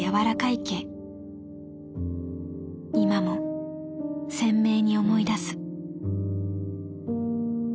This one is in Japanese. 今も鮮明に思い出す。